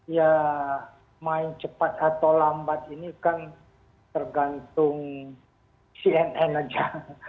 ya main cepat atau lambat ini kan tergantung cnn aja